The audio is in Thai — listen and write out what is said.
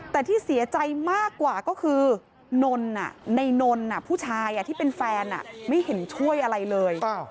แต่ที่เสียใจมากกว่าก็คือในนนผู้ชายที่เป็นแฟนไม่เห็นช่วยอะไรเลย